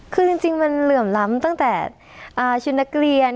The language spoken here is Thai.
คือจริงมันเหลื่อมล้ำตั้งแต่ชุดนักเรียน